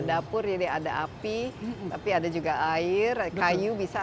dapur jadi ada api tapi ada juga air kayu bisa